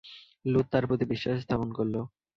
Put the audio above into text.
লূত তার প্রতি বিশ্বাস স্থাপন করল।